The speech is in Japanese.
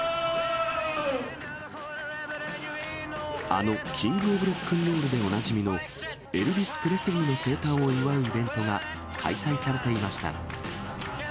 あのキング・オブ・ロックンロールでおなじみの、エルビス・プレスリーの生誕を祝うイベントが開催されていました。